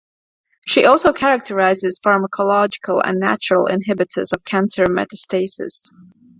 She also characterizes pharmacological and natural inhibitors of cancer metastasis.